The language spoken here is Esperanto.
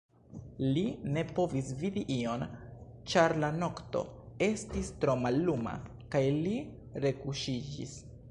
Li ne povis vidi ion, ĉar la nokto estis tro malluma, kaj li rekuŝiĝis.